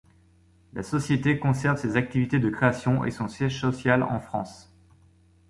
La société conserve ses activités de création et son siège social en France.